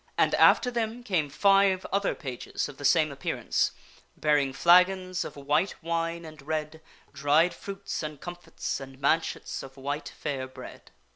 And after them came five other THE VALLEY OF DELIGHT 49 pages of the same appearance, bearing flagons of white wine and red, dried fruits and comfits and manchets of white fair bread.